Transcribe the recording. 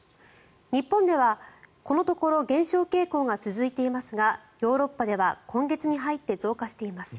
日本ではこのところ減少傾向が続いていますがヨーロッパでは今月に入って増加しています。